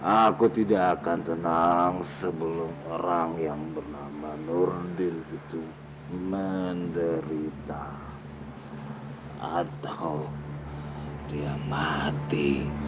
aku tidak akan tenang sebelum orang yang bernama nurdil itu menderita atau dia mati